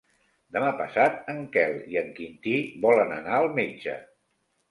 Demà passat en Quel i en Quintí volen anar al metge.